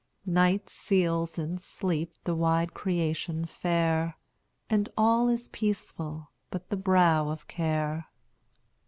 Night seals in sleep the wide creation fair, And all is peaceful, but the brow of care.